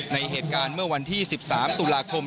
ในเหตุการณ์เมื่อวันที่๑๓ตุลาคม